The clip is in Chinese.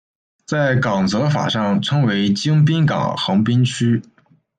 在港则法上称为京滨港横滨区。